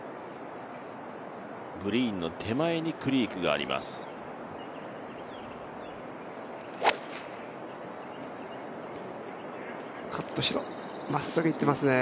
グリーンの手前にクリークがあります。